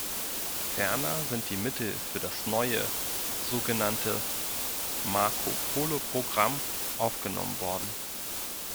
Ferner sind die Mittel für das neue so genannte Marco-Polo-Programm aufgenommen worden.